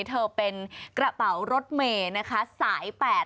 เธอเป็นกระเป๋ารถเมย์นะคะสาย๘